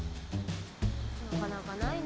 なかなかないね。